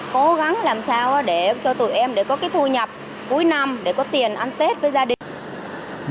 cố gắng làm sao để cho tụi em để có cái thu nhập cuối năm để có tiền ăn tết với gia đình